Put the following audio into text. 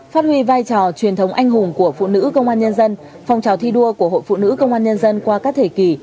phát huy vai trò truyền thống anh hùng của phụ nữ công an nhân dân phong trào thi đua của hội phụ nữ công an nhân dân qua các thời kỳ